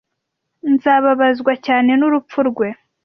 Nzababazwa cyane n'urupfu rwe.